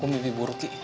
gue mimpi buruk ki